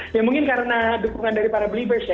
yoor mungkin karena dukungan dari believers ya